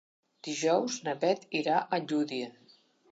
Dijous na Bet irà a Lludient.